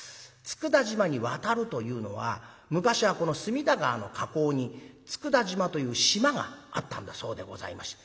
「佃島に渡る」というのは昔はこの隅田川の河口に佃島という島があったんだそうでございまして。